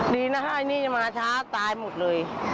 ดีนะไอ้นี่มาช้าตายหมดเลย